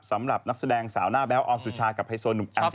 สำหรับนักแสดงสาวหน้าแบ๊วออมสุชากับไฮโซหนุ่มแอฟ